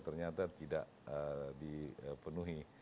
ternyata tidak dipenuhi